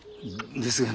ですがね